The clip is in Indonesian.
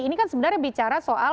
ini kan sebenarnya bicara soal